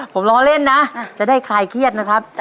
ผมล้อเล่นนะจะได้คลายเครียดนะครับ